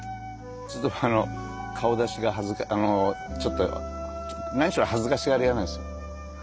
ちょっと顔出しが恥ずかあのちょっとなにしろ恥ずかしがり屋なんです。